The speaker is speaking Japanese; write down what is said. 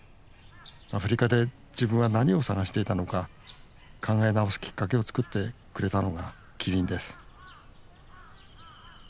アフリカで自分は何を探していたのか考え直すきっかけを作ってくれたのがキリンです